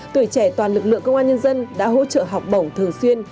tuổi trẻ toàn lực lượng công an nhân dân đã hỗ trợ học bổng thường xuyên